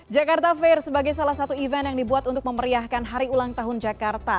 jakarta fair sebagai salah satu event yang dibuat untuk memeriahkan hari ulang tahun jakarta